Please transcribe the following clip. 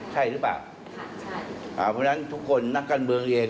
ใช่หรือเปล่าพร้อมนั้นทุกคนนักการเบื้องเอง